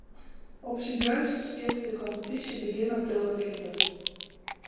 Op syn geunstichst giet de kompetysje begjin april wer fierder.